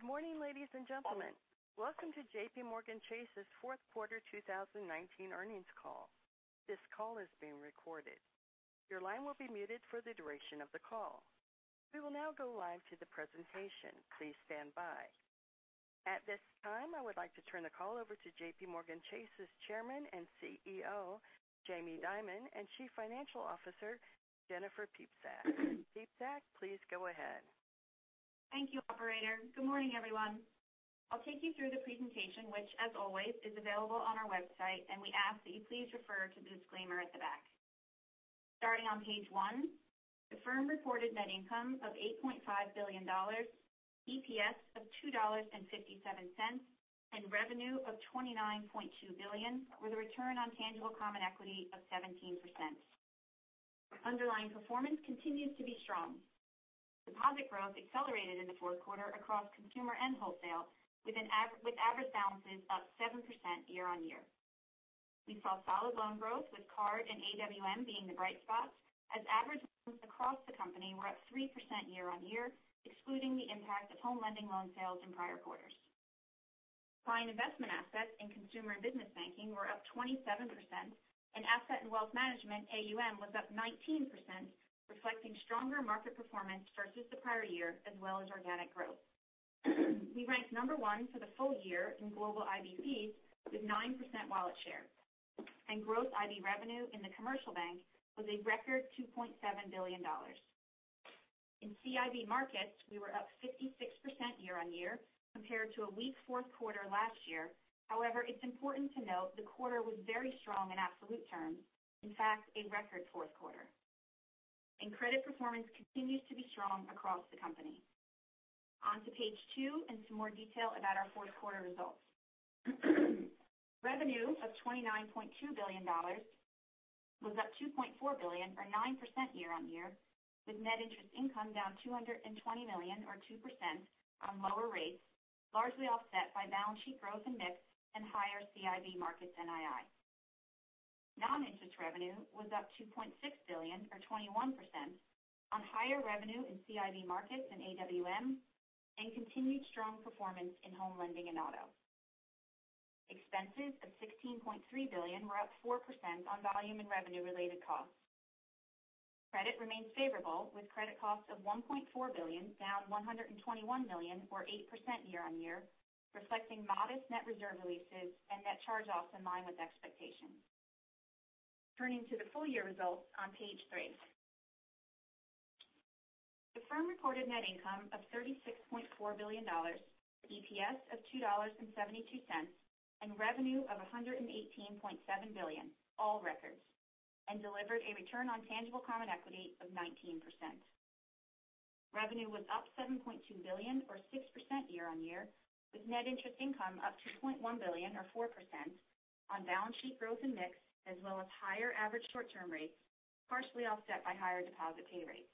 Good morning, ladies and gentlemen. Welcome to JPMorgan Chase's fourth quarter 2019 earnings call. This call is being recorded. Your line will be muted for the duration of the call. We will now go live to the presentation. Please stand by. At this time, I would like to turn the call over to JPMorgan Chase's Chairman and CEO, Jamie Dimon, and Chief Financial Officer, Jennifer Piepszak. Piepszak, please go ahead. Thank you, operator. Good morning, everyone. I'll take you through the presentation, which, as always, is available on our website, and we ask that you please refer to the disclaimer at the back. Starting on page one, the firm reported net income of $8.5 billion, EPS of $2.57. Revenue of $29.2 billion, with a return on tangible common equity of 17%. Underlying performance continues to be strong. Deposit growth accelerated in the fourth quarter across consumer and wholesale with average balances up 7% year-on-year. We saw solid loan growth with card and AWM being the bright spots as averages across the company were up 3% year-on-year, excluding the impact of home lending loan sales in prior quarters. Client investment assets in consumer and business banking were up 27%, and Asset & Wealth Management, AUM, was up 19%, reflecting stronger market performance versus the prior year as well as organic growth. We ranked number one for the full year in global IB fees with 9% wallet share. Gross IB revenue in the commercial bank was a record $2.7 billion. In CIB markets, we were up 56% year-on-year compared to a weak fourth quarter last year. However, it's important to note the quarter was very strong in absolute terms. In fact, a record fourth quarter. Credit performance continues to be strong across the company. On to page two and some more detail about our fourth quarter results. Revenue of $29.2 billion was up $2.4 billion or 9% year-on-year, with net interest income down $220 million or 2% on lower rates, largely offset by balance sheet growth and mix and higher CIB markets NII. Non-interest revenue was up $2.6 billion or 21% on higher revenue in CIB markets and AWM and continued strong performance in home lending and auto. Expenses of $16.3 billion were up 4% on volume and revenue-related costs. Credit remains favorable, with credit costs of $1.4 billion down $121 million or 8% year-on-year, reflecting modest net reserve releases and net charge-offs in line with expectations. Turning to the full year results on page three. The firm reported net income of $36.4 billion, EPS of $2.72, and revenue of $118.7 billion, all records, and delivered a return on tangible common equity of 19%. Revenue was up $7.2 billion or 6% year-on-year, with net interest income up $2.1 billion or 4% on balance sheet growth and mix, as well as higher average short-term rates, partially offset by higher deposit pay rates.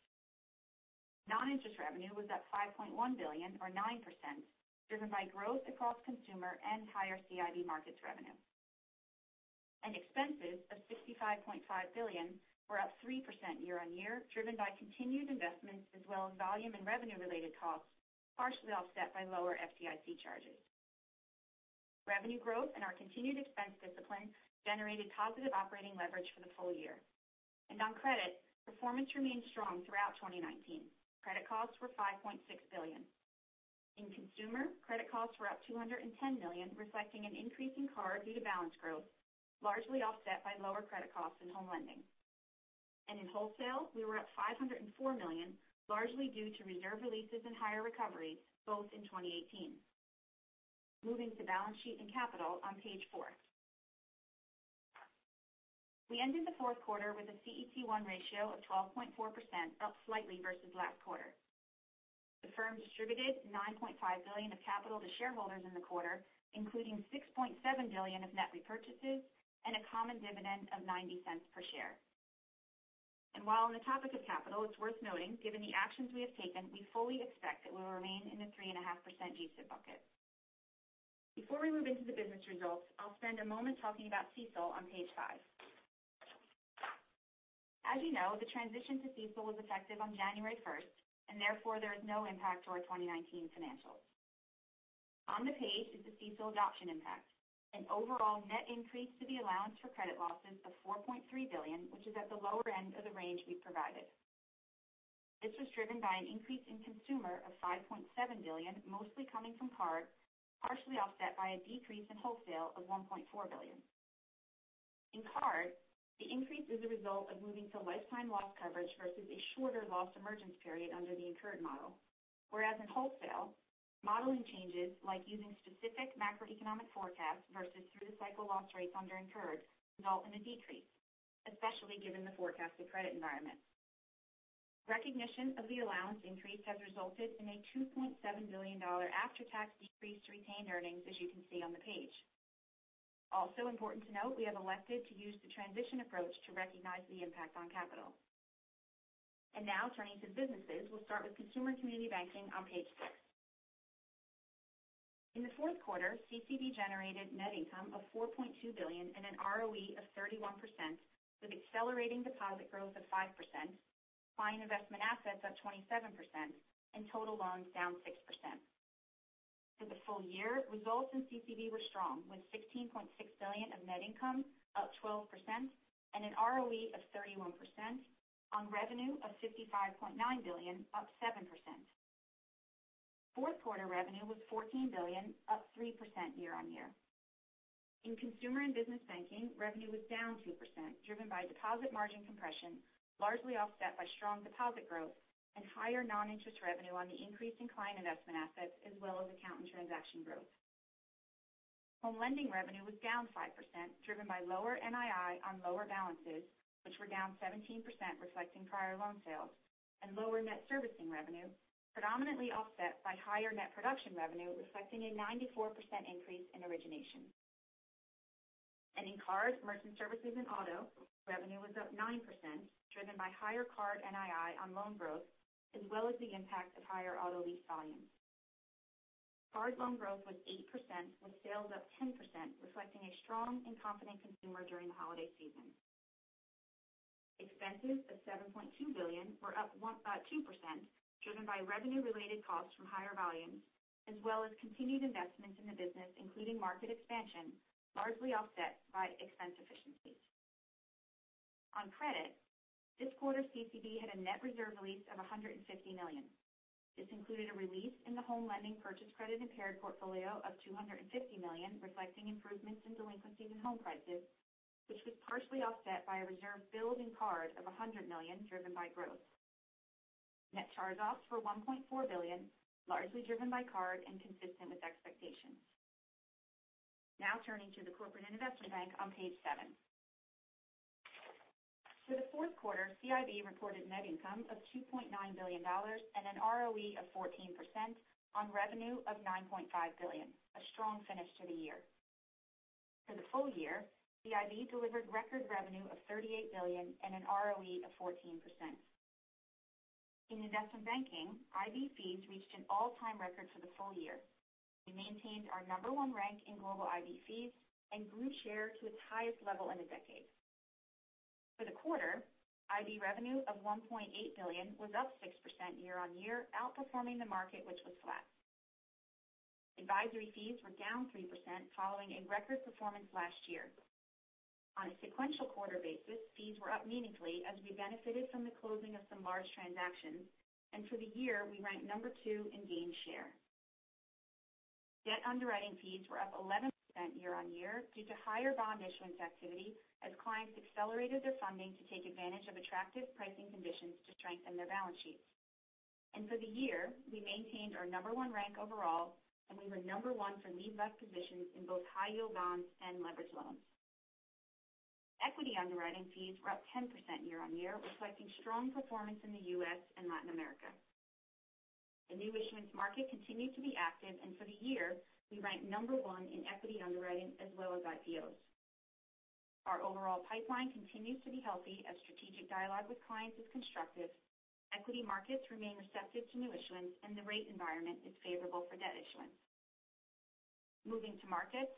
Non-interest revenue was up $5.1 billion or 9%, driven by growth across consumer and higher CIB Markets revenue. Expenses of $65.5 billion were up 3% year-on-year, driven by continued investments as well as volume and revenue-related costs, partially offset by lower FDIC charges. Revenue growth and our continued expense discipline generated positive operating leverage for the full year. On credit, performance remained strong throughout 2019. Credit costs were $5.6 billion. In consumer, credit costs were up $210 million, reflecting an increase in card due to balance growth, largely offset by lower credit costs in home lending. In wholesale, we were up $504 million, largely due to reserve releases and higher recoveries, both in 2018. Moving to balance sheet and capital on page four. We ended the fourth quarter with a CET1 ratio of 12.4%, up slightly versus last quarter. The firm distributed $9.5 billion of capital to shareholders in the quarter, including $6.7 billion of net repurchases and a common dividend of $0.90 per share. While on the topic of capital, it's worth noting, given the actions we have taken, we fully expect it will remain in the 3.5% GSIB bucket. Before we move into the business results, I'll spend a moment talking about CECL on page five. As you know, the transition to CECL was effective on January 1st, and therefore, there is no impact to our 2019 financials. On the page is the CECL adoption impact, an overall net increase to the allowance for credit losses of $4.3 billion, which is at the lower end of the range we provided. This was driven by an increase in consumer of $5.7 billion, mostly coming from card, partially offset by a decrease in wholesale of $1.4 billion. In card, the increase is a result of moving to lifetime loss coverage versus a shorter loss emergence period under the incurred model. Whereas in wholesale, modeling changes like using specific macroeconomic forecasts versus through the cycle loss rates under incurred, result in a decrease, especially given the forecasted credit environment. Recognition of the allowance increase has resulted in a $2.7 billion after-tax decrease to retained earnings, as you can see on the page. Also important to note, we have elected to use the transition approach to recognize the impact on capital. Now turning to the businesses, we'll start with Consumer Community Banking on page six. In the fourth quarter, CCB generated net income of $4.2 billion and an ROE of 31%, with accelerating deposit growth of 5%, client investment assets up 27%, and total loans down 6%. For the full year, results in CCB were strong, with $16.6 billion of net income, up 12%, and an ROE of 31% on revenue of $55.9 billion, up 7%. Fourth quarter revenue was $14 billion, up 3% year-on-year. In consumer and business banking, revenue was down 2%, driven by deposit margin compression, largely offset by strong deposit growth and higher non-interest revenue on the increase in client investment assets, as well as account and transaction growth. Home lending revenue was down 5%, driven by lower NII on lower balances, which were down 17%, reflecting prior loan sales and lower net servicing revenue, predominantly offset by higher net production revenue, reflecting a 94% increase in origination. In cards, merchant services, and auto, revenue was up 9%, driven by higher card NII on loan growth, as well as the impact of higher auto lease volumes. Card loan growth was 8%, with sales up 10%, reflecting a strong and confident consumer during the holiday season. Expenses of $7.2 billion were up 2%, driven by revenue-related costs from higher volumes, as well as continued investments in the business, including market expansion, largely offset by expense efficiencies. On credit, this quarter's CCB had a net reserve release of $150 million. This included a release in the home lending purchase credit impaired portfolio of $250 million, reflecting improvements in delinquencies and home prices, which was partially offset by a reserve build in card of $100 million, driven by growth. Net charge-offs were $1.4 billion, largely driven by card and consistent with expectations. Turning to the Corporate and Investment Bank on page seven. For the fourth quarter, CIB reported net income of $2.9 billion and an ROE of 14% on revenue of $9.5 billion. A strong finish to the year. For the full year, CIB delivered record revenue of $38 billion and an ROE of 14%. In investment banking, IB fees reached an all-time record for the full year. We maintained our number one rank in global IB fees and grew share to its highest level in a decade. For the quarter, IB revenue of $1.8 billion was up 6% year-on-year, outperforming the market, which was flat. Advisory fees were down 3% following a record performance last year. On a sequential quarter basis, fees were up meaningfully as we benefited from the closing of some large transactions. For the year, we ranked number 2 in gained share. Debt underwriting fees were up 11% year-on-year due to higher bond issuance activity as clients accelerated their funding to take advantage of attractive pricing conditions to strengthen their balance sheets. For the year, we maintained our number 1 rank overall, and we were number 1 for lead left positions in both high-yield bonds and leverage loans. Equity underwriting fees were up 10% year-on-year, reflecting strong performance in the U.S. and Latin America. The new issuance market continued to be active. For the year, we ranked number one in equity underwriting as well as IPOs. Our overall pipeline continues to be healthy as strategic dialogue with clients is constructive. Equity markets remain receptive to new issuance. The rate environment is favorable for debt issuance. Moving to markets,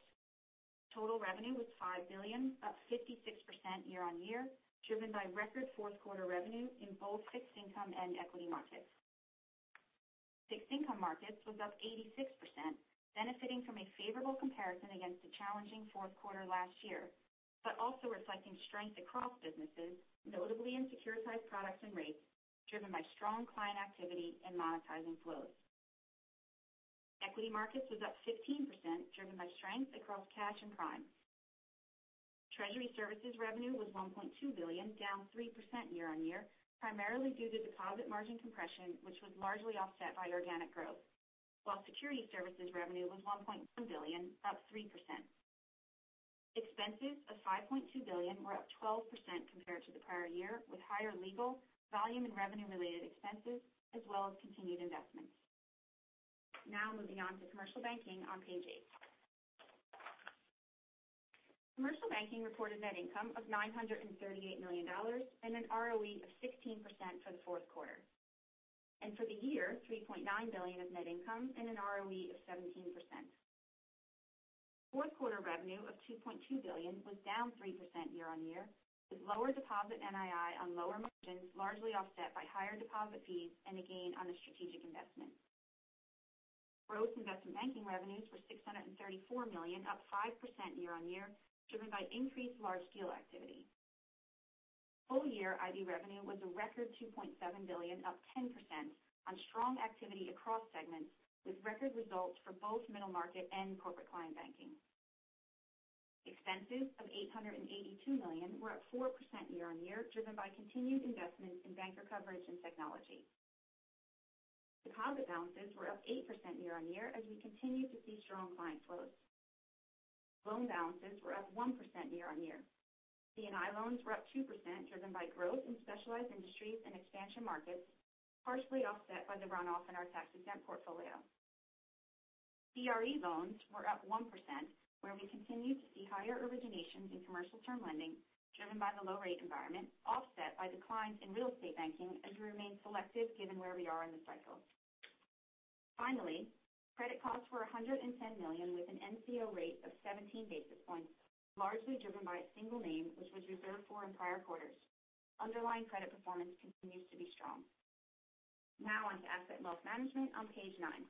total revenue was $5 billion, up 56% year-on-year, driven by record fourth quarter revenue in both fixed income and equity markets. Fixed income markets was up 86%, benefiting from a favorable comparison against a challenging fourth quarter last year. Also reflecting strength across businesses, notably in securitized products and rates, driven by strong client activity and monetizing flows. Equity markets was up 15%, driven by strength across cash and prime. Treasury services revenue was $1.2 billion, down 3% year-on-year, primarily due to deposit margin compression, which was largely offset by organic growth. While security services revenue was $1.1 billion, up 3%. Expenses of $5.2 billion were up 12% compared to the prior year, with higher legal, volume, and revenue-related expenses, as well as continued investments. Now moving on to commercial banking on page eight. Commercial banking reported net income of $938 million and an ROE of 16% for the fourth quarter. For the year, $3.9 billion of net income and an ROE of 17%. Fourth quarter revenue of $2.2 billion was down 3% year-on-year, with lower deposit NII on lower margins, largely offset by higher deposit fees and a gain on a strategic investment. Gross investment banking revenues were $634 million, up 5% year-on-year, driven by increased large deal activity. Full-year IB revenue was a record $2.7 billion, up 10%, on strong activity across segments, with record results for both middle market and corporate client banking. Expenses of $882 million were up 4% year-on-year, driven by continued investments in banker coverage and technology. Deposit balances were up 8% year-on-year as we continued to see strong client flows. Loan balances were up 1% year-on-year. C&I loans were up 2%, driven by growth in specialized industries and expansion markets, partially offset by the runoff in our tax-exempt portfolio. CRE loans were up 1%, where we continued to see higher originations in commercial term lending driven by the low rate environment, offset by declines in real estate banking as we remain selective given where we are in the cycle. Finally, credit costs were $110 million with an NCO rate of 17 basis points, largely driven by a single name, which was reserved for in prior quarters. Underlying credit performance continues to be strong. Now on to Asset & Wealth Management on page nine.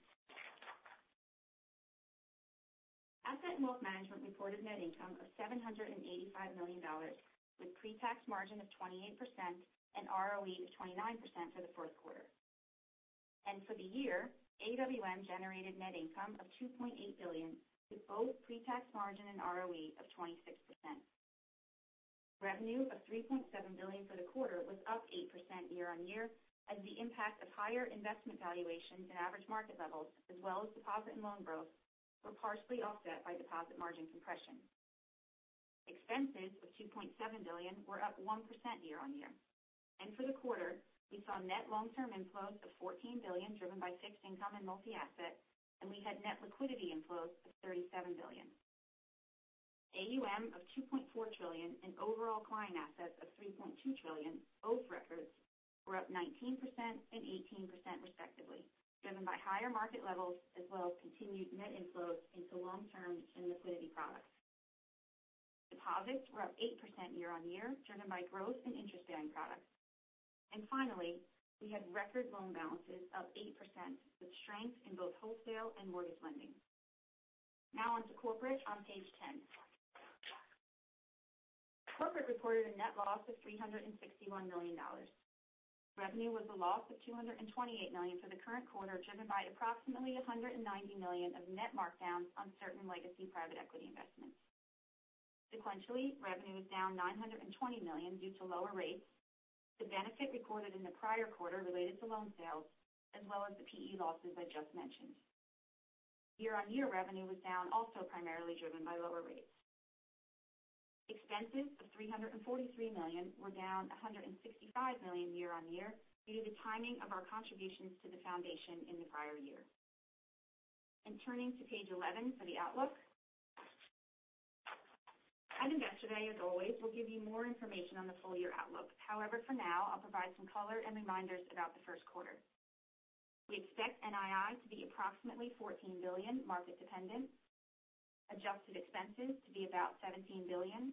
Asset & Wealth Management reported net income of $785 million with pre-tax margin of 28% and ROE of 29% for the first quarter. For the year, AWM generated net income of $2.8 billion with both pre-tax margin and ROE of 26%. Revenue of $3.7 billion for the quarter was up 8% year-on-year as the impact of higher investment valuations and average market levels, as well as deposit and loan growth, were partially offset by deposit margin compression. Expenses of $2.7 billion were up 1% year-on-year. For the quarter, we saw net long-term inflows of $14 billion driven by fixed income and multi-asset, and we had net liquidity inflows of $37 billion. AUM of $2.4 trillion and overall client assets of $3.2 trillion, both records, were up 19% and 18% respectively, driven by higher market levels as well as continued net inflows into long-term and liquidity products. Deposits were up 8% year-on-year, driven by growth in interest-bearing products. Finally, we had record loan balances up 8% with strength in both wholesale and mortgage lending. Now on to Corporate on page 10. Corporate reported a net loss of $361 million. Revenue was a loss of $228 million for the current quarter, driven by approximately $190 million of net markdowns on certain legacy private equity investments. Sequentially, revenue was down $920 million due to lower rates, the benefit recorded in the prior quarter related to loan sales, as well as the PE losses I just mentioned. Year-on-year revenue was down also primarily driven by lower rates. Expenses of $343 million were down $165 million year-on-year due to the timing of our contributions to the foundation in the prior year. Turning to page 11 for the outlook. At Investor Day, as always, we'll give you more information on the full-year outlook. For now, I'll provide some color and reminders about the first quarter. We expect NII to be approximately $14 billion, market dependent, adjusted expenses to be about $17 billion.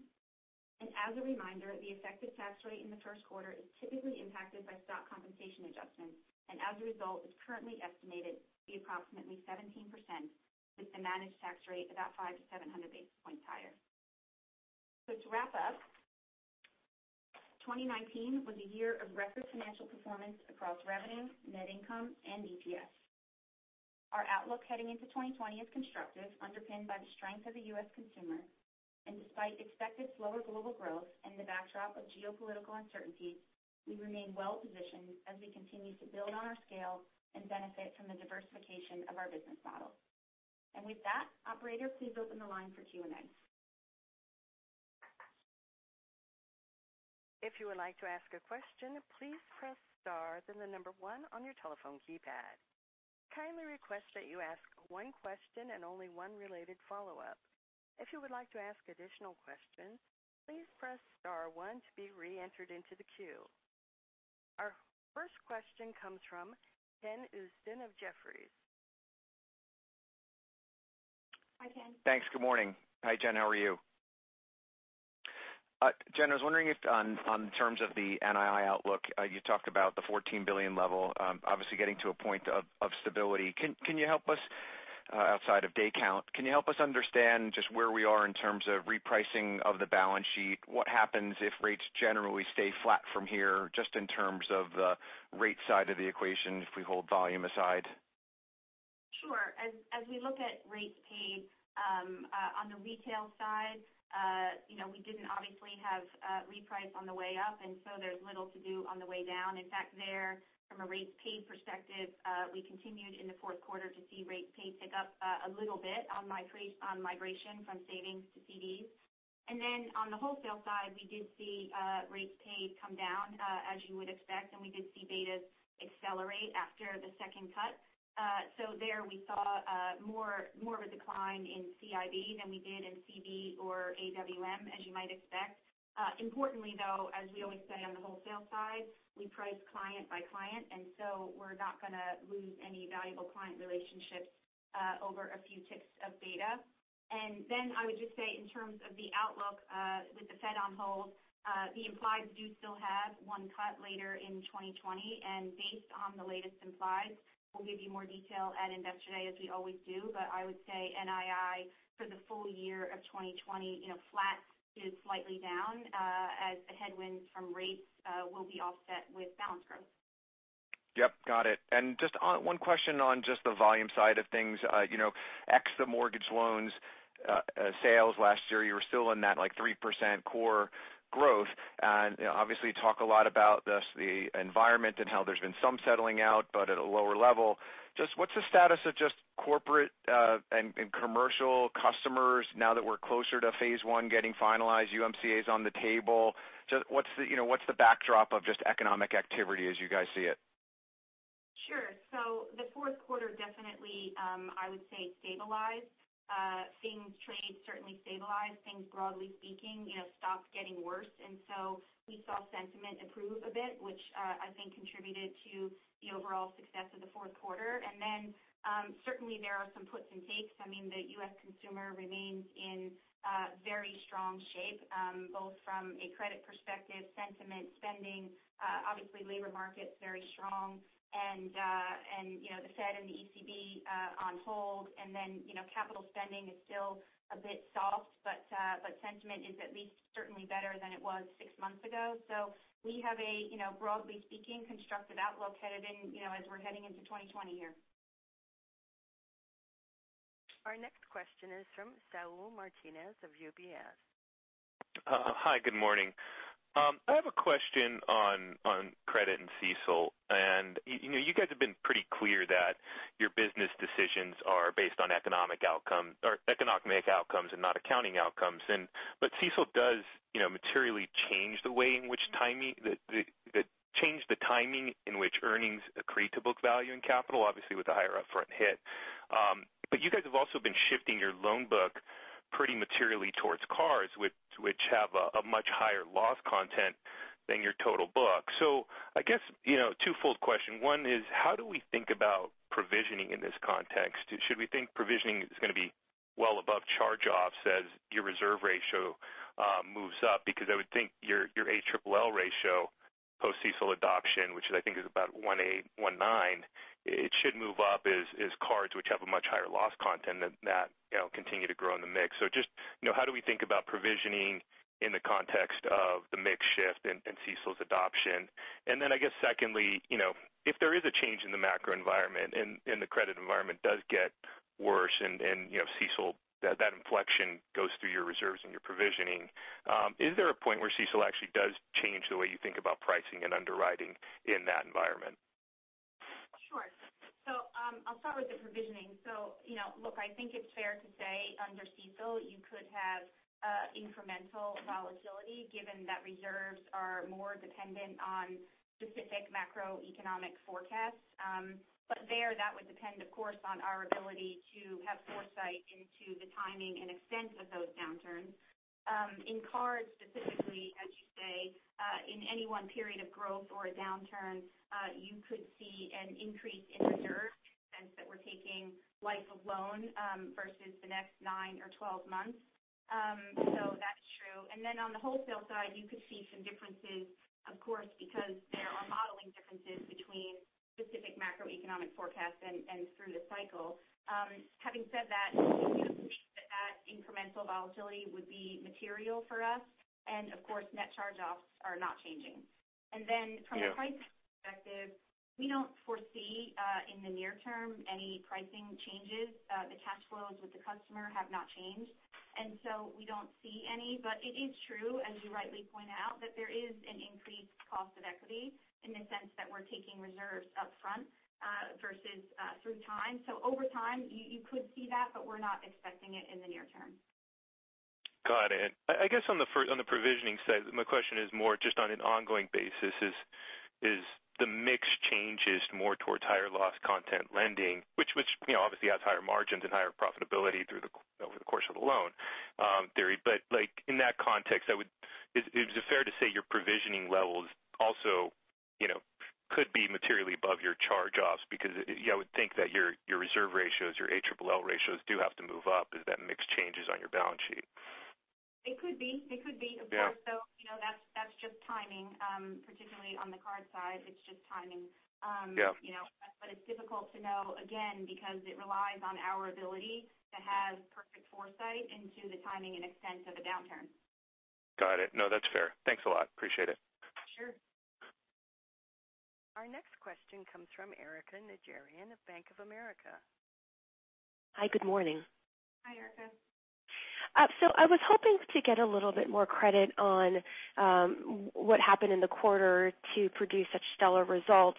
As a reminder, the effective tax rate in the first quarter is typically impacted by stock compensation adjustments and as a result is currently estimated to be approximately 17% with the managed tax rate about 5 to 700 basis points higher. To wrap up, 2019 was a year of record financial performance across revenue, net income and EPS. Our outlook heading into 2020 is constructive, underpinned by the strength of the U.S. consumer. Despite expected slower global growth and the backdrop of geopolitical uncertainties, we remain well-positioned as we continue to build on our scale and benefit from the diversification of our business model. With that, operator, please open the line for Q&A. If you would like to ask a question, please press star, then the number 1 on your telephone keypad. Kindly request that you ask one question and only one related follow-up. If you would like to ask additional questions, please press star one to be re-entered into the queue. Our first question comes from Ken Usdin of Jefferies. Hi, Ken. Thanks. Good morning. Hi, Jen. How are you? Jen, I was wondering if on terms of the NII outlook, you talked about the $14 billion level, obviously getting to a point of stability. Outside of day count, can you help us understand just where we are in terms of repricing of the balance sheet? What happens if rates generally stay flat from here, just in terms of the rate side of the equation if we hold volume aside? Sure. As we look at rates paid on the retail side, we didn't obviously have reprice on the way up, and so there's little to do on the way down. In fact, there, from a rates paid perspective, we continued in the fourth quarter to see rates paid tick up a little bit on migration from savings to CDs. On the wholesale side, we did see rates paid come down as you would expect, and we did see betas accelerate after the second cut. We saw more of a decline in CIB than we did in CD or AWM, as you might expect. Importantly though, as we always say on the wholesale side, we price client by client, and so we're not going to lose any valuable client relationships over a few ticks of beta. I would just say in terms of the outlook with the Fed on hold, the implieds do still have one cut later in 2020 and based on the latest implieds, we'll give you more detail at Investor Day as we always do. I would say NII for the full year of 2020 flat to slightly down as the headwinds from rates will be offset with balance growth. Yep, got it. Just one question on just the volume side of things. Ex the mortgage loans sales last year, you were still in that 3% core growth. Obviously you talk a lot about the environment and how there's been some settling out, but at a lower level. Just what's the status of just corporate and commercial customers now that we're closer to phase one getting finalized, USMCA is on the table. Just what's the backdrop of just economic activity as you guys see it? Sure. The fourth quarter definitely I would say stabilized. Things trade certainly stabilized. Things broadly speaking, stopped getting worse. We saw sentiment improve a bit, which I think contributed to the overall success of the fourth quarter. Certainly there are some puts and takes. The U.S. consumer remains in very strong shape both from a credit perspective, sentiment, spending, obviously labor market's very strong and the Fed and the ECB on hold. Capital spending is still a bit soft, but sentiment is at least certainly better than it was six months ago. We have a broadly speaking, constructive outlook as we're heading into 2020 here. Our next question is from Saúl Martinez of UBS. Hi, good morning. I have a question on credit and CECL. You guys have been pretty clear that your business decisions are based on economic outcomes and not accounting outcomes. CECL does materially change the timing in which earnings accrete to book value and capital, obviously with a higher upfront hit. You guys have also been shifting your loan book pretty materially towards cards, which have a much higher loss content than your total book. I guess, twofold question. One is, how do we think about provisioning in this context? Should we think provisioning is going to be well above charge-offs as your reserve ratio moves up? I would think your ALL ratio post-CECL adoption, which I think is about 18, 19, it should move up as cards which have a much higher loss content than that continue to grow in the mix. Just how do we think about provisioning in the context of the mix shift and CECL's adoption? I guess secondly, if there is a change in the macro environment and the credit environment does get worse and CECL, that inflection goes through your reserves and your provisioning, is there a point where CECL actually does change the way you think about pricing and underwriting in that environment? Sure. I'll start with the provisioning. Look, I think it's fair to say under CECL, you could have incremental volatility given that reserves are more dependent on specific macroeconomic forecasts. There, that would depend, of course, on our ability to have foresight into the timing and extent of those downturns. In cards specifically, as you say, in any one period of growth or a downturn, you could see an increase in reserves in the sense that we're taking life of loan versus the next nine or 12 months. That's true. On the wholesale side, you could see some differences, of course, because there are modeling differences between specific macroeconomic forecasts and through the cycle. Having said that, we don't appreciate that incremental volatility would be material for us, and of course, net charge-offs are not changing. Yeah. From a price perspective, we don't foresee, in the near term, any pricing changes. The cash flows with the customer have not changed, and so we don't see any. It is true, as you rightly point out, that there is an increased cost of equity in the sense that we're taking reserves upfront versus through time. Over time you could see that, but we're not expecting it in the near term. Got it. I guess on the provisioning side, my question is more just on an ongoing basis. As the mix changes more towards higher loss content lending, which obviously has higher margins and higher profitability over the course of the loan. In that context, is it fair to say your provisioning levels also could be materially above your charge-offs because I would think that your reserve ratios, your ALL ratios do have to move up as that mix changes on your balance sheet. It could be. Yeah. That's just timing, particularly on the card side. It's just timing. Yeah. It's difficult to know, again, because it relies on our ability to have perfect foresight into the timing and extent of a downturn. Got it. No, that's fair. Thanks a lot. Appreciate it. Sure. Our next question comes from Erika Najarian of Bank of America. Hi, good morning. Hi, Erika. I was hoping to get a little bit more credit on what happened in the quarter to produce such stellar results.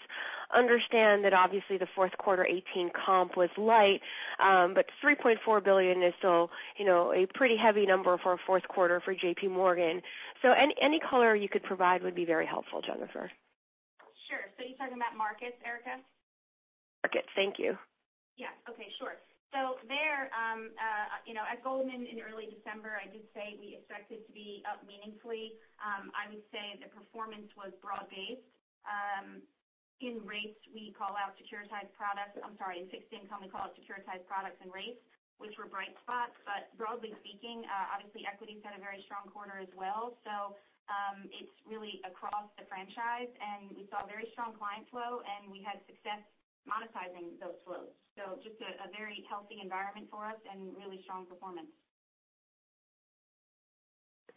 Understand that obviously the fourth quarter 2018 comp was light, but $3.4 billion is still a pretty heavy number for a fourth quarter for JPMorgan. Any color you could provide would be very helpful, Jennifer. Sure. You're talking about markets, Erika? Markets. Thank you. Yeah. Okay, sure. There, at Goldman in early December, I did say we expected to be up meaningfully. I would say the performance was broad-based. In rates, we call out securitized products. I'm sorry, in fixed income we call out securitized products and rates, which were bright spots. Broadly speaking, obviously equities had a very strong quarter as well. It's really across the franchise, and we saw very strong client flow, and we had success monetizing those flows. Just a very healthy environment for us and really strong performance.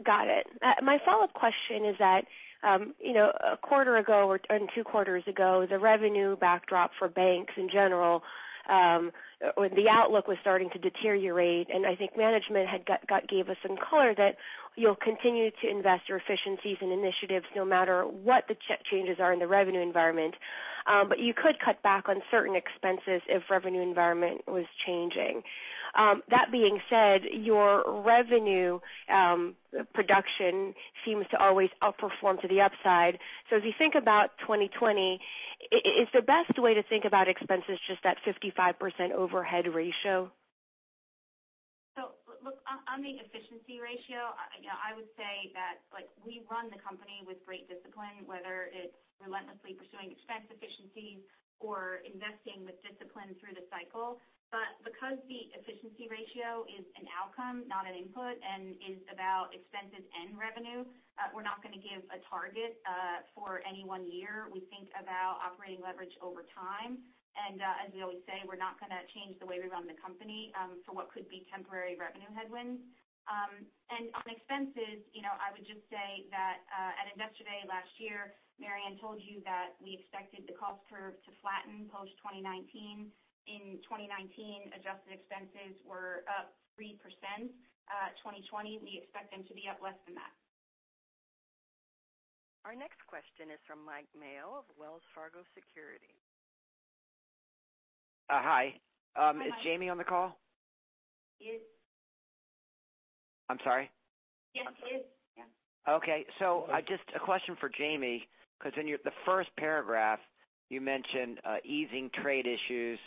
Got it. My follow-up question is that, a quarter ago or 2 quarters ago, the revenue backdrop for banks in general, the outlook was starting to deteriorate. I think management gave us some color that you'll continue to invest your efficiencies and initiatives no matter what the changes are in the revenue environment. You could cut back on certain expenses if revenue environment was changing. That being said, your revenue production seems to always outperform to the upside. As you think about 2020, is the best way to think about expenses just that 55% overhead ratio? Look, on the efficiency ratio, I would say that we run the company with great discipline, whether it's relentlessly pursuing expense efficiencies or investing with discipline through the cycle. Because the efficiency ratio is an outcome, not an input, and is about expenses and revenue, we're not going to give a target for any one year. We think about operating leverage over time. As we always say, we're not going to change the way we run the company for what could be temporary revenue headwinds. On expenses, I would just say that at Investor Day last year, Marianne told you that we expected the cost curve to flatten post 2019. In 2019, adjusted expenses were up 3%. 2020, we expect them to be up less than that. Our next question is from Mike Mayo of Wells Fargo Securities. Hi. Hi. Is Jamie on the call? Yes. I'm sorry? Yes, he is. Just a question for Jamie, because in the first paragraph you mentioned easing trade issues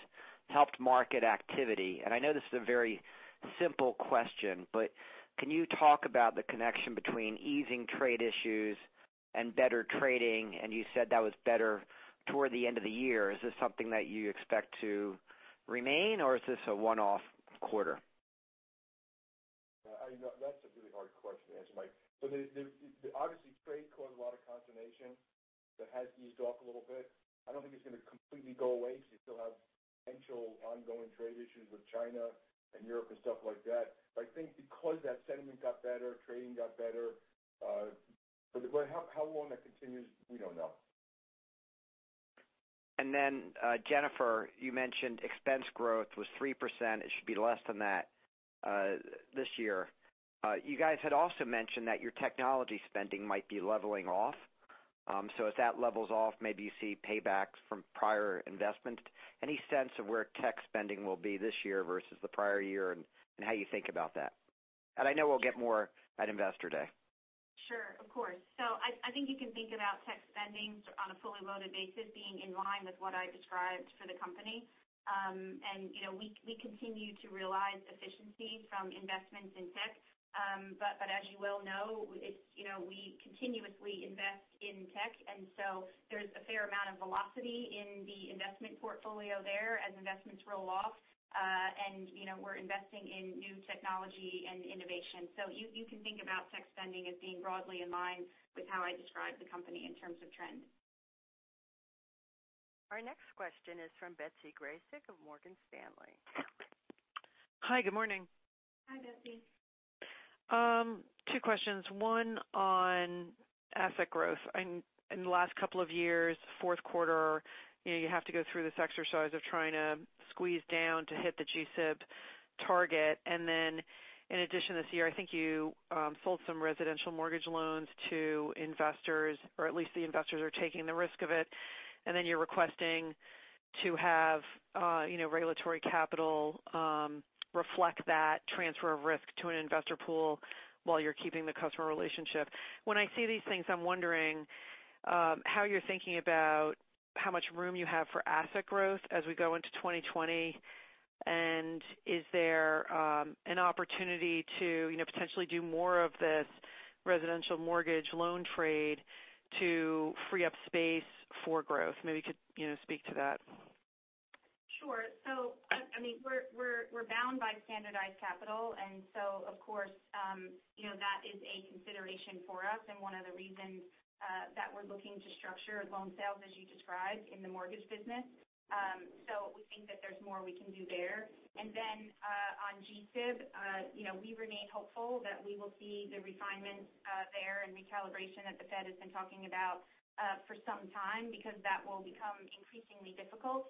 helped market activity. I know this is a very simple question, but can you talk about the connection between easing trade issues and better trading? You said that was better toward the end of the year. Is this something that you expect to remain, or is this a one-off quarter? That's a really hard question to answer, Mike. Obviously, trade caused a lot of consternation. That has eased off a little bit. I don't think it's going to completely go away because you still have potential ongoing trade issues with China and Europe and stuff like that. I think because that sentiment got better, trading got better. How long that continues, we don't know. Jennifer, you mentioned expense growth was 3%. It should be less than that this year. You guys had also mentioned that your technology spending might be leveling off. If that levels off, maybe you see paybacks from prior investment. Any sense of where tech spending will be this year versus the prior year and how you think about that? I know we'll get more at Investor Day. Sure. Of course. I think you can think about tech spendings on a fully loaded basis being in line with what I described for the company. We continue to realize efficiencies from investments in tech. As you well know, we continuously invest in tech, and so there's a fair amount of velocity in the investment portfolio there as investments roll off. We're investing in new technology and innovation. You can think about tech spending as being broadly in line with how I describe the company in terms of trends. Our next question is from Betsy Graseck of Morgan Stanley. Hi. Good morning. Hi, Betsy. Two questions. One on asset growth. In the last couple of years, fourth quarter, you have to go through this exercise of trying to squeeze down to hit the GSIB target. In addition, this year, I think you sold some residential mortgage loans to investors, or at least the investors are taking the risk of it, then you're requesting to have regulatory capital reflect that transfer of risk to an investor pool while you're keeping the customer relationship. When I see these things, I'm wondering how you're thinking about how much room you have for asset growth as we go into 2020. Is there an opportunity to potentially do more of this residential mortgage loan trade to free up space for growth? Maybe you could speak to that. Sure. We're bound by standardized capital, of course, that is a consideration for us and one of the reasons that we're looking to structure loan sales as you described in the mortgage business. We think that there's more we can do there. On GSIB, we remain hopeful that we will see the refinements there and recalibration that the Fed has been talking about for some time because that will become increasingly difficult.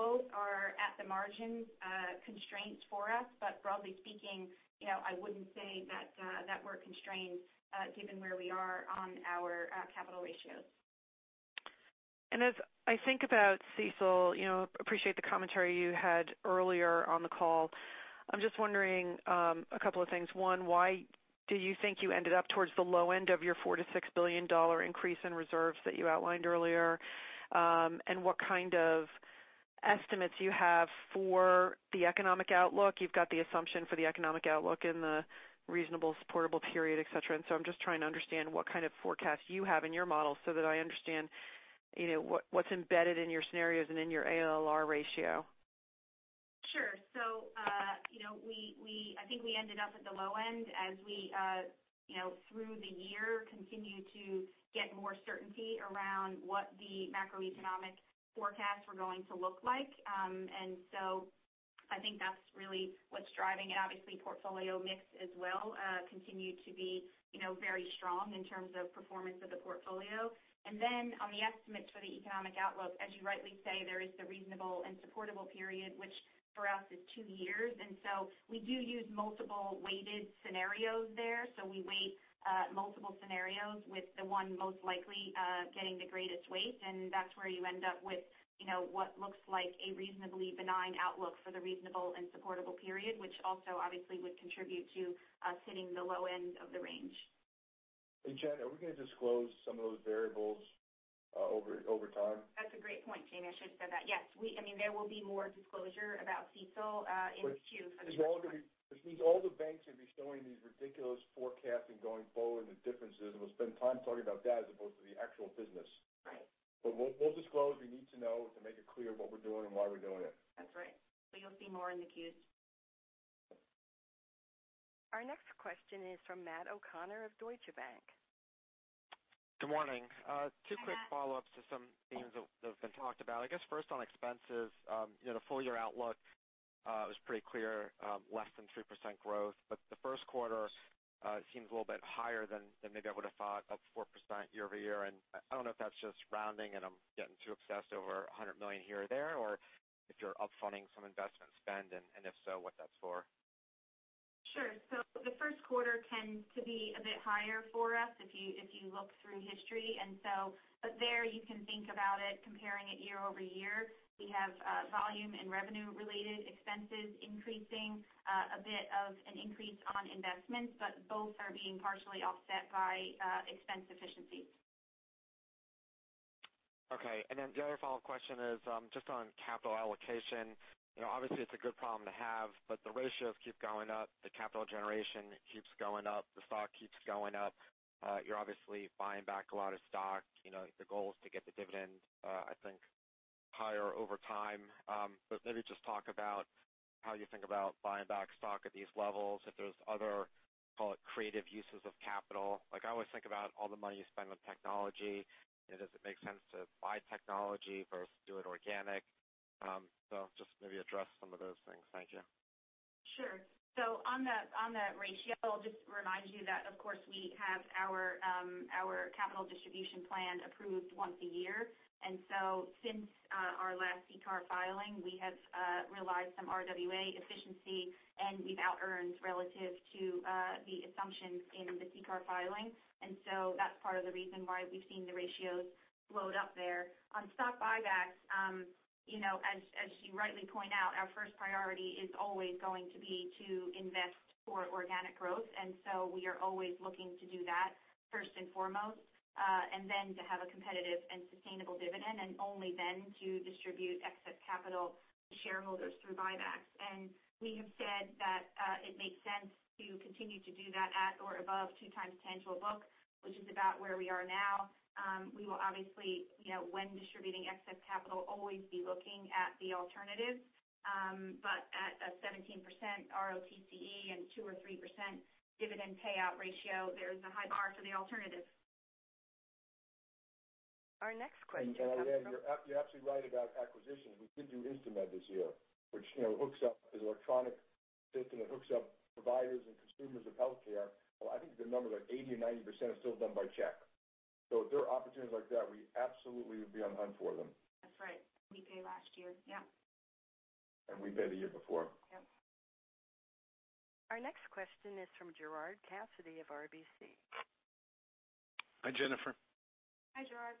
Both are at the margin constraints for us. Broadly speaking, I wouldn't say that we're constrained given where we are on our capital ratios. As I think about CECL, I appreciate the commentary you had earlier on the call. I'm just wondering a couple of things. One, why do you think you ended up towards the low end of your $4 billion-$6 billion increase in reserves that you outlined earlier? What kind of estimates you have for the economic outlook? You've got the assumption for the economic outlook in the reasonable supportable period, et cetera. I'm just trying to understand what kind of forecast you have in your model so that I understand what's embedded in your scenarios and in your ALR ratio. I think we ended up at the low end as we, through the year, continued to get more certainty around what the macroeconomic forecasts were going to look like. I think that's really what's driving it. Obviously, portfolio mix as well continued to be very strong in terms of performance of the portfolio. Then on the estimates for the economic outlook, as you rightly say, there is the reasonable and supportable period which for us is two years. We do use multiple weighted scenarios there. We weight multiple scenarios with the one most likely getting the greatest weight, and that's where you end up with what looks like a reasonably benign outlook for the reasonable and supportable period, which also obviously would contribute to us hitting the low end of the range. Hey, Jen, are we going to disclose some of those variables over time? That's a great point, Jamie. I should have said that. Yes. There will be more disclosure about CECL in Q. Which means all the banks will be throwing these ridiculous forecasts and going forward and the differences, and we'll spend time talking about that as opposed to the actual business. Right. We'll disclose what you need to know to make it clear what we're doing and why we're doing it. That's right. You'll see more in the Qs. Our next question is from Matthew O'Connor of Deutsche Bank. Good morning. Hi, Matt. Two quick follow-ups to some things that have been talked about. I guess first on expenses. The full-year outlook, it was pretty clear, less than 3% growth. The first quarter seems a little bit higher than maybe I would've thought, up 4% year-over-year. I don't know if that's just rounding and I'm getting too obsessed over $100 million here or there, or if you're up-funding some investment spend, and if so, what that's for. Sure. The first quarter tends to be a bit higher for us if you look through history. There you can think about it, comparing it year-over-year. We have volume and revenue related expenses increasing, a bit of an increase on investments, but both are being partially offset by expense efficiencies. Okay. The other follow-up question is just on capital allocation. Obviously, it's a good problem to have, the ratios keep going up. The capital generation keeps going up. The stock keeps going up. You're obviously buying back a lot of stock. The goal is to get the dividend, I think, higher over time. Maybe just talk about how you think about buying back stock at these levels, if there's other, call it creative uses of capital. I always think about all the money you spend on technology, does it make sense to buy technology versus do it organic? Just maybe address some of those things. Thank you. Sure. On that ratio, I'll just remind you that, of course, we have our capital distribution plan approved once a year. Since our last CCAR filing, we have realized some RWA efficiency, and we've outearned relative to the assumptions in the CCAR filing. That's part of the reason why we've seen the ratios load up there. On stock buybacks, as you rightly point out, our first priority is always going to be to invest for organic growth. We are always looking to do that first and foremost. To have a competitive and sustainable dividend, and only then to distribute excess capital to shareholders through buybacks. We have said that it makes sense to continue to do that at or above two times tangible book, which is about where we are now. We will obviously, when distributing excess capital, always be looking at the alternatives. At a 17% ROTCE and 2% or 3% dividend payout ratio, there's a high bar for the alternative. Our next question comes from. You're absolutely right about acquisitions. We did do InstaMed this year. Which is an electronic system that hooks up providers and consumers of healthcare. Well, I think the number like 80% or 90% is still done by check. If there are opportunities like that, we absolutely would be on the hunt for them. That's right. We pay last year. Yep. We paid the year before. Yep. Our next question is from Gerard Cassidy of RBC. Hi, Jennifer. Hi, Gerard.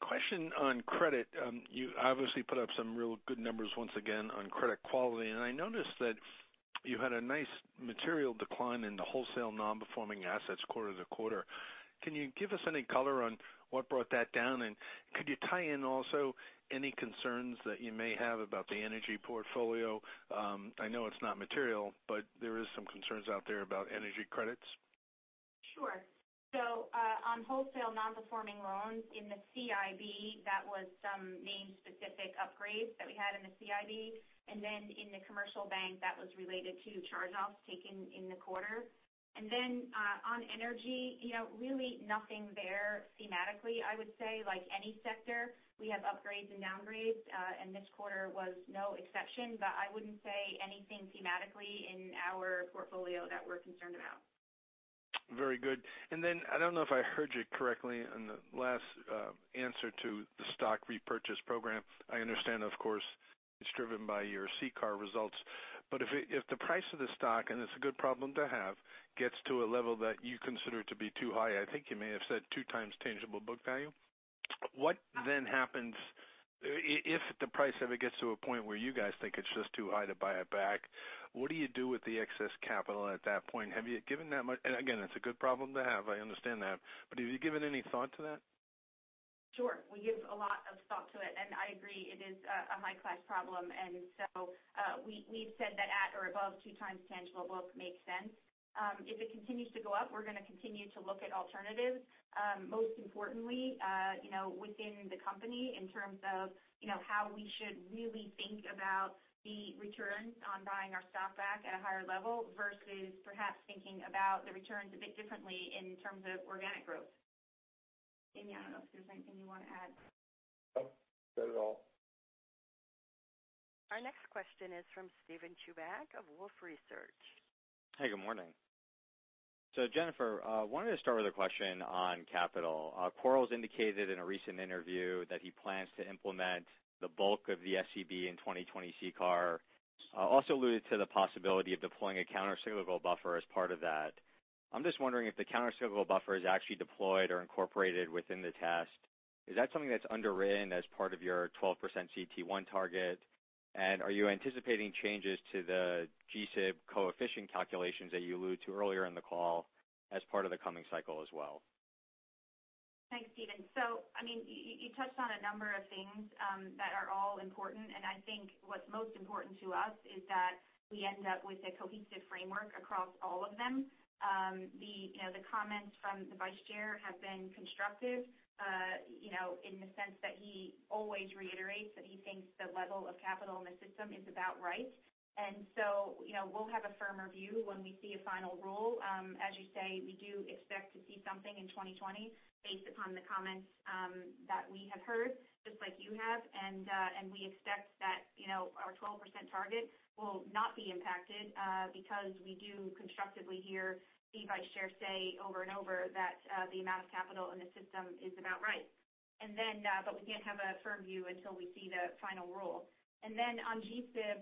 Question on credit. You obviously put up some real good numbers once again on credit quality. I noticed that you had a nice material decline in the wholesale non-performing assets quarter-to-quarter. Can you give us any color on what brought that down? Could you tie in also any concerns that you may have about the energy portfolio? I know it's not material, there is some concerns out there about energy credits. Sure. On wholesale non-performing loans in the CIB, that was some name-specific upgrades that we had in the CIB. In the commercial bank, that was related to charge-offs taken in the quarter. On energy, really nothing there thematically, I would say. Like any sector, we have upgrades and downgrades, and this quarter was no exception. I wouldn't say anything thematically in our portfolio that we're concerned about. Very good. I don't know if I heard you correctly on the last answer to the stock repurchase program. I understand, of course, it's driven by your CCAR results. If the price of the stock, and it's a good problem to have, gets to a level that you consider to be too high, I think you may have said two times tangible book value. What happens if the price ever gets to a point where you guys think it's just too high to buy it back? What do you do with the excess capital at that point? Again, it's a good problem to have. I understand that. Have you given any thought to that? Sure. We give a lot of thought to it. I agree, it is a high-class problem. We've said that at or above two times tangible book makes sense. If it continues to go up, we're going to continue to look at alternatives. Most importantly, within the company in terms of how we should really think about the returns on buying our stock back at a higher level versus perhaps thinking about the returns a bit differently in terms of organic growth. Jamie, I don't know if there's anything you want to add. No. Said it all. Our next question is from Steven Chubak of Wolfe Research. Hey, good morning. Jennifer, I wanted to start with a question on capital. Quarles indicated in a recent interview that he plans to implement the bulk of the SCB in 2020 CCAR, also alluded to the possibility of deploying a countercyclical buffer as part of that. I'm just wondering if the countercyclical buffer is actually deployed or incorporated within the test. Is that something that's underwritten as part of your 12% CET1 target? Are you anticipating changes to the GSIB coefficient calculations that you alluded to earlier in the call as part of the coming cycle as well? Thanks, Steven. You touched on a number of things that are all important, and I think what's most important to us is that we end up with a cohesive framework across all of them. The comments from the Vice Chair have been constructive, in the sense that he always reiterates that he thinks the level of capital in the system is about right. We'll have a firmer view when we see a final rule. As you say, we do expect to see something in 2020 based upon the comments that we have heard, just like you have. We expect that our 12% target will not be impacted because we do constructively hear the Vice Chair say over and over that the amount of capital in the system is about right. We can't have a firm view until we see the final rule. On GSIB,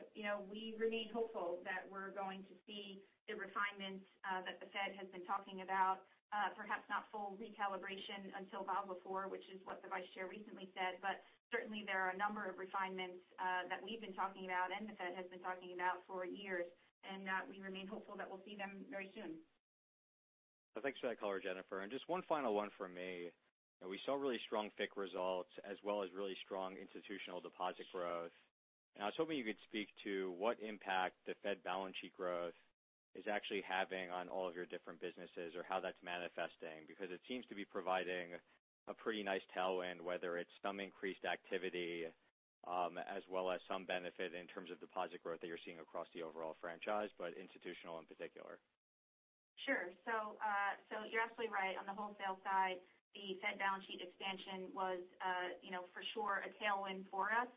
we remain hopeful that we're going to see the refinements that the Fed has been talking about. Perhaps not full recalibration until Basel IV, which is what the Vice Chair recently said, but certainly there are a number of refinements that we've been talking about and the Fed has been talking about for years, and we remain hopeful that we'll see them very soon. Thanks for that color, Jennifer. Just one final one from me. We saw really strong FICC results as well as really strong institutional deposit growth. I was hoping you could speak to what impact the Fed balance sheet growth is actually having on all of your different businesses or how that's manifesting. It seems to be providing a pretty nice tailwind, whether it's some increased activity, as well as some benefit in terms of deposit growth that you're seeing across the overall franchise, but institutional in particular. Sure. You're absolutely right. On the wholesale side, the Fed balance sheet expansion was for sure a tailwind for us.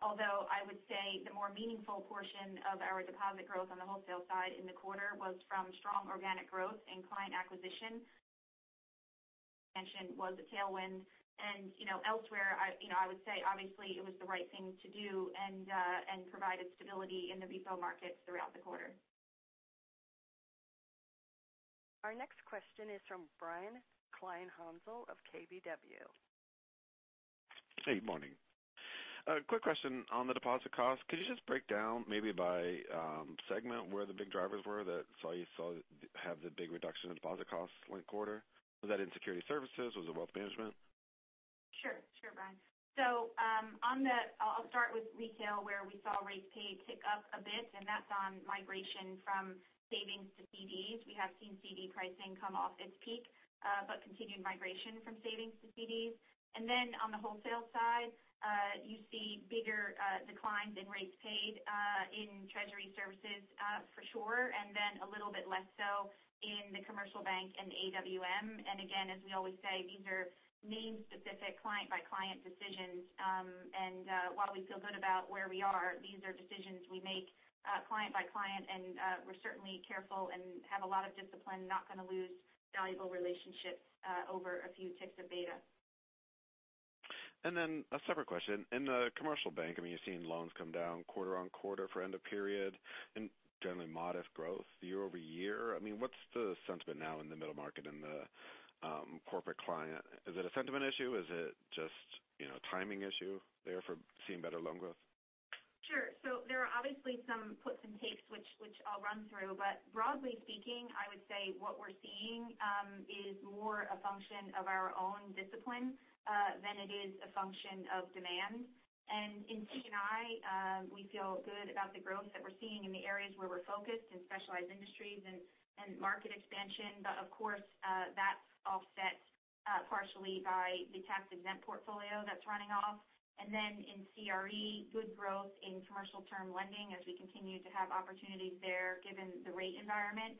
Although I would say the more meaningful portion of our deposit growth on the wholesale side in the quarter was from strong organic growth and client acquisition. Mentioned was a tailwind. Elsewhere, I would say obviously it was the right thing to do and provided stability in the repo markets throughout the quarter. Our next question is from Brian Kleinhanzl of KBW. Hey, morning. A quick question on the deposit cost. Could you just break down maybe by segment where the big drivers were that you saw have the big reduction in deposit costs last quarter? Was that in security services? Was it wealth management? Sure, Brian. I'll start with retail, where we saw rates paid tick up a bit. That's on migration from savings to CDs. We have seen CD pricing come off its peak, continued migration from savings to CDs. On the wholesale side, you see bigger declines in rates paid in Treasury services for sure, a little bit less so in the commercial bank and the AWM. Again, as we always say, these are name-specific, client-by-client decisions. While we feel good about where we are, these are decisions we make client by client, we're certainly careful and have a lot of discipline, not going to lose valuable relationships over a few ticks of beta. A separate question. In the commercial bank, you're seeing loans come down quarter-on-quarter for end of period and generally modest growth year-over-year. What's the sentiment now in the middle market in the corporate client? Is it a sentiment issue? Is it just timing issue there for seeing better loan growth? Sure. There are obviously some puts and takes which I'll run through, but broadly speaking, I would say what we're seeing is more a function of our own discipline than it is a function of demand. In C&I, we feel good about the growth that we're seeing in the areas where we're focused in specialized industries and market expansion. Of course, that's offset partially by the tax-exempt portfolio that's running off. In CRE, good growth in commercial term lending as we continue to have opportunities there given the rate environment.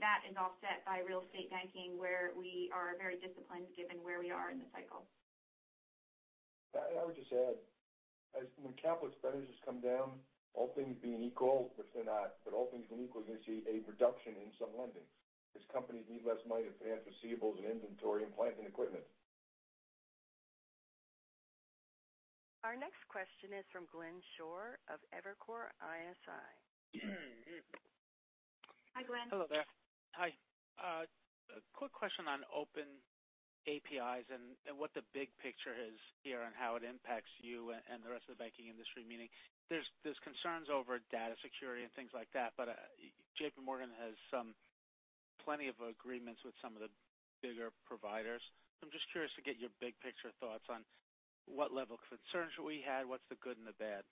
That is offset by real estate banking, where we are very disciplined given where we are in the cycle. I would just add, as when capital expenditures come down, all things being equal, which they're not, but all things being equal, you're going to see a reduction in some lendings because companies need less money to finance receivables and inventory and plant and equipment. Our next question is from Glenn Schorr of Evercore ISI. Hi, Glenn. Hello there. Hi. A quick question on open APIs and what the big picture is here and how it impacts you and the rest of the banking industry. Meaning there's concerns over data security and things like that, but JPMorgan has plenty of agreements with some of the bigger providers. I'm just curious to get your big picture thoughts on what level of concerns we had. What's the good and the bad?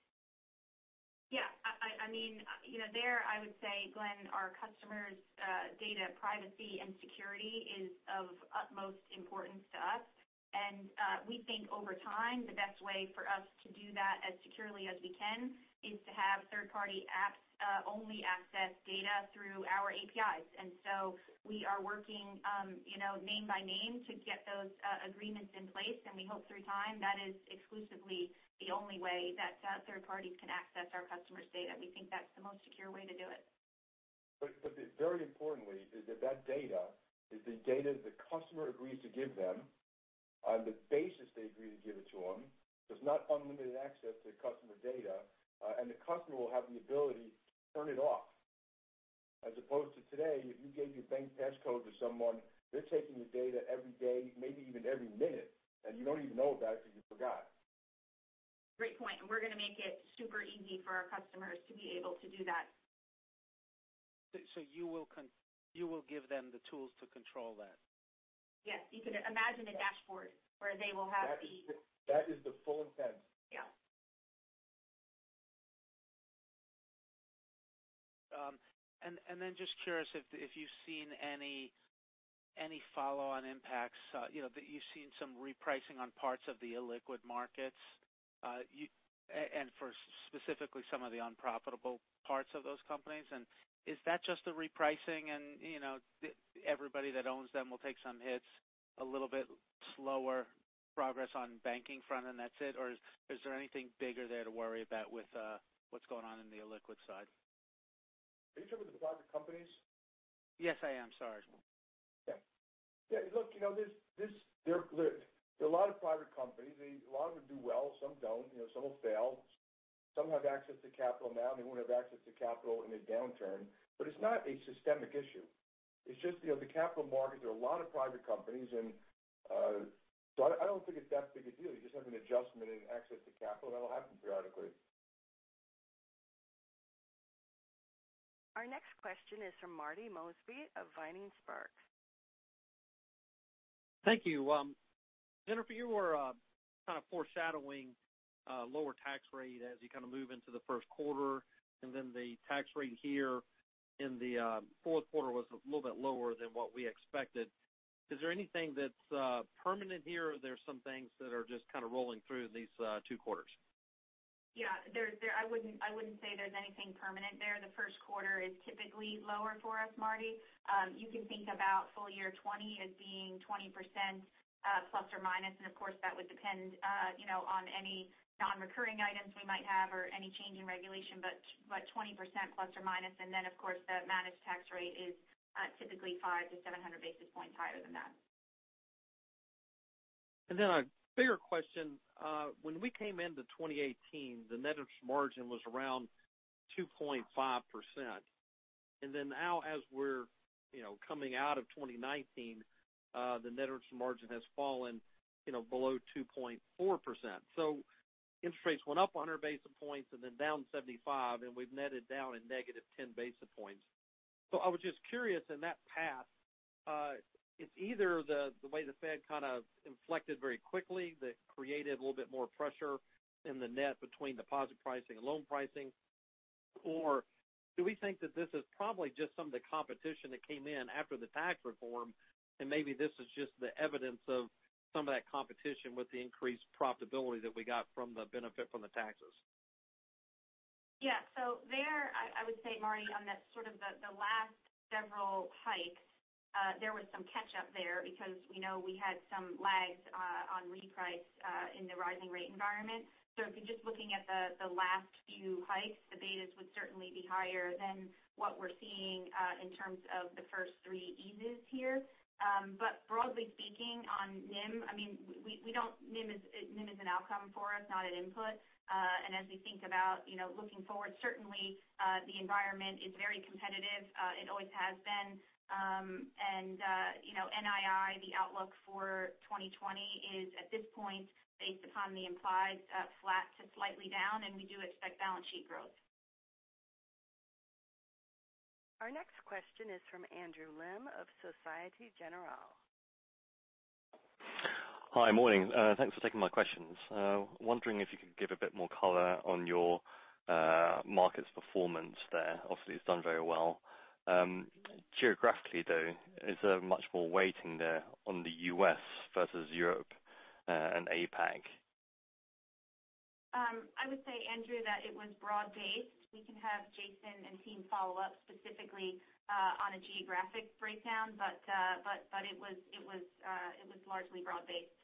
There, I would say, Glenn, our customers' data privacy and security is of utmost importance to us. We think over time, the best way for us to do that as securely as we can is to have third-party apps only access data through our APIs. We are working name by name to get those agreements in place, we hope through time, that is exclusively the only way that third parties can access our customers' data. We think that's the most secure way to do it. Very importantly is that that data is the data the customer agrees to give them on the basis they agree to give it to them. There's not unlimited access to customer data, and the customer will have the ability to turn it off. As opposed to today, if you gave your bank passcode to someone, they're taking the data every day, maybe even every minute, and you don't even know about it because you forgot. Great point. We're going to make it super easy for our customers to be able to do that. You will give them the tools to control that? Yes. You can imagine a dashboard where they will have. That is the full intent. Yeah. Just curious if you've seen any follow-on impacts, that you've seen some repricing on parts of the illiquid markets, and for specifically some of the unprofitable parts of those companies. Is that just the repricing and everybody that owns them will take some hits a little bit slower progress on banking front and that's it, or is there anything bigger there to worry about with what's going on in the illiquid side? Are you talking about the private companies? Yes, I am. Sorry. Okay. Yeah, look, there are a lot of private companies. A lot of them do well, some don't. Some will fail. Some have access to capital now, and they won't have access to capital in a downturn. It's not a systemic issue. It's just the capital markets are a lot of private companies, and so I don't think it's that big a deal. You just have an adjustment in access to capital, and that'll happen periodically. Our next question is from Marty Mosby of Vining Sparks. Thank you. Jennifer, you were kind of foreshadowing lower tax rate as you kind of move into the first quarter. The tax rate here in the fourth quarter was a little bit lower than what we expected. Is there anything that's permanent here, or there are some things that are just kind of rolling through these two quarters? Yeah. I wouldn't say there's anything permanent there. The first quarter is typically lower for us, Marty. You can think about full year 2020 as being 20% plus or minus, and of course, that would depend on any non-recurring items we might have or any change in regulation, but 20% plus or minus. Of course, the managed tax rate is typically 5-700 basis points higher than that. A bigger question. When we came into 2018, the net interest margin was around 2.5%. Now as we're coming out of 2019, the net interest margin has fallen below 2.4%. Interest rates went up 100 basis points and then down 75, and we've netted down a negative 10 basis points. I was just curious in that path, it's either the way the Fed kind of inflected very quickly that created a little bit more pressure in the net between deposit pricing and loan pricing, or do we think that this is probably just some of the competition that came in after the tax reform, and maybe this is just the evidence of some of that competition with the increased profitability that we got from the benefit from the taxes? Yeah. There, I would say, Marty, on the last several hikes, there was some catch-up there because we know we had some lags on reprice in the rising rate environment. If you're just looking at the last few hikes, the betas would certainly be higher than what we're seeing in terms of the first three eases here. Broadly speaking on NIM is an outcome for us, not an input. As we think about looking forward, certainly the environment is very competitive. It always has been. NII, the outlook for 2020 is, at this point, based upon the implied flat to slightly down, and we do expect balance sheet growth. Our next question is from Andrew Lim of Société Générale. Hi. Morning. Thanks for taking my questions. Wondering if you could give a bit more color on your markets performance there? Obviously, it's done very well. Geographically, though, is there much more weighting there on the U.S. versus Europe and APAC? I would say, Andrew, that it was broad-based. We can have Jason and team follow up specifically on a geographic breakdown. It was largely broad-based.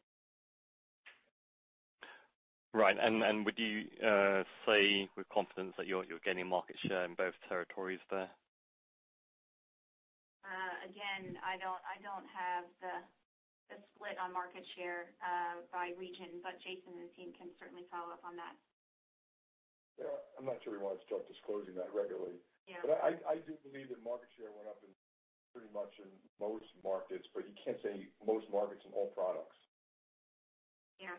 Right. Would you say with confidence that you're gaining market share in both territories there? Again, I don't have the split on market share by region, but Jason and team can certainly follow up on that. Yeah. I'm not sure we want to start disclosing that regularly. Yeah. I do believe that market share went up in pretty much in most markets, but you can't say most markets in all products. Yeah.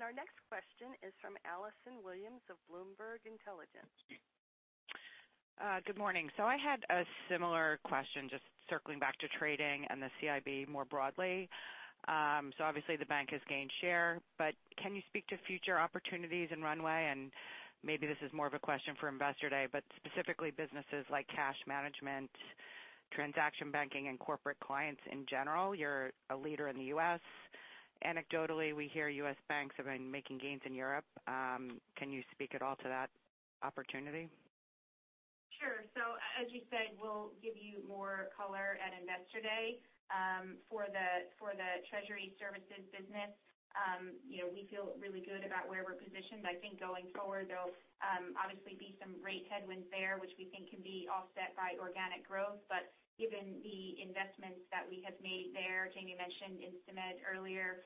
Our next question is from Alison Williams of Bloomberg Intelligence. Good morning. I had a similar question, just circling back to trading and the CIB more broadly. Obviously the bank has gained share, but can you speak to future opportunities and runway? Maybe this is more of a question for Investor Day, but specifically businesses like cash management, transaction banking, and corporate clients in general. You're a leader in the U.S. Anecdotally, we hear U.S. banks have been making gains in Europe. Can you speak at all to that opportunity? Sure. As you said, we'll give you more color at Investor Day. For the treasury services business, we feel really good about where we're positioned. I think going forward, there'll obviously be some rate headwinds there, which we think can be offset by organic growth. Given the investments that we have made there, Jamie mentioned InstaMed earlier,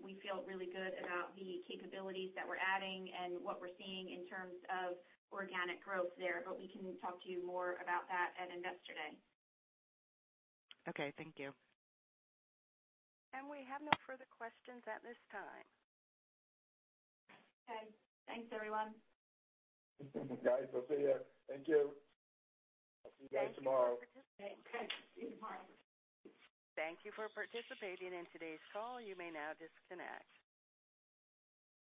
we feel really good about the capabilities that we're adding and what we're seeing in terms of organic growth there. We can talk to you more about that at Investor Day. Okay. Thank you. We have no further questions at this time. Okay. Thanks, everyone. Guys, I'll see you. Thank you. I'll see you guys tomorrow. Okay. See you tomorrow. Thank you for participating in today's call. You may now disconnect.